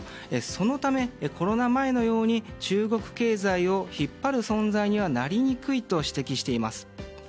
そのためコロナ前のように中国経済を引っ張る存在にはなりにくいと指摘しています。